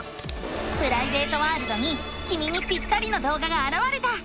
プライベートワールドにきみにぴったりの動画があらわれた！